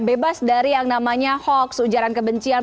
bebas dari yang namanya hoax ujaran kebencian